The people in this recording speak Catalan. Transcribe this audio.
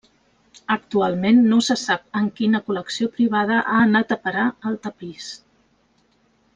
Actualment no se sap en quina col·lecció privada ha anat a parar el tapís.